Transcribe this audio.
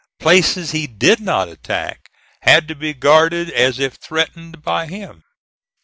Places he did not attack had to be guarded as if threatened by him.